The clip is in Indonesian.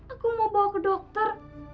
aku mau bawa ke dokter